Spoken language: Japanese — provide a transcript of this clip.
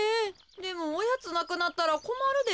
でもおやつなくなったらこまるで。